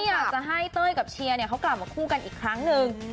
อยากจะให้เต้ยกับเชียร์เขากลับมาคู่กันอีกครั้งหนึ่ง